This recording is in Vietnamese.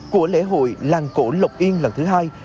của lễ hội làng cổ lộc yên lần thứ hai